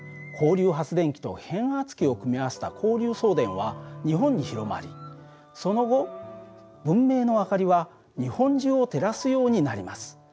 交流発電機と変圧器を組み合わせた交流送電は日本に広まりその後文明の明かりは日本中を照らすようになります。